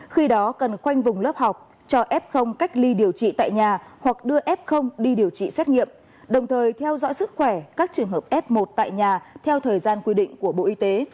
khi đó cần khoanh vùng lớp học cho f cách ly điều trị tại nhà hoặc đưa f đi điều trị xét nghiệm đồng thời theo dõi sức khỏe các trường hợp f một tại nhà theo thời gian quy định của bộ y tế